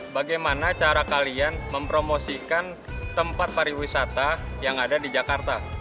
bagaimana cara kalian mempromosikan tempat pariwisata yang ada di jakarta